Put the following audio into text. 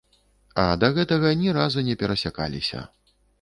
А да гэтага ні разу не перасякаліся.